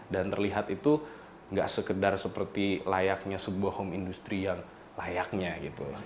dan terlihat itu gak sekedar seperti layaknya sebuah home industry yang layaknya gitu